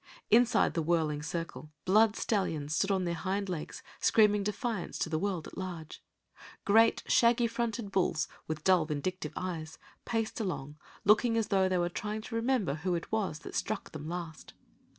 Inside the whirling circle blood stallions stood on their hind legs, screaming defiance to the world at large; great shaggy fronted bulls, with dull vindictive eyes, paced along, looking as though they were trying to remember who it was that struck them last.